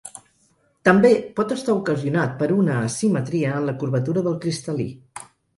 També, pot estar ocasionat per una asimetria en la curvatura del cristal·lí.